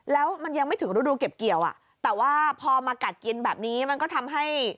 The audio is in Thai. แล้วมันยังไม่ถึงฤดูเก็บเกี่ยวอ่ะแต่ว่าพอมากัดกินแบบนี้มันก็ทำให้